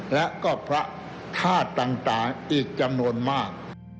และก็พระธาตุต่างอีกจำนวนมาก